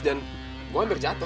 dan gue hampir jatuh